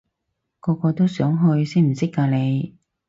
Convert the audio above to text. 個個都想去，識唔識㗎你？